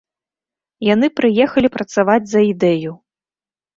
Яны прыехалі працаваць за ідэю.